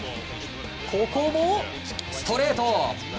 ここもストレート！